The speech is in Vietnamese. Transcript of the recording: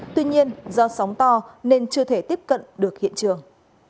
tuy nhiên do sóng to nên chưa thể tiếp cận được hiện trường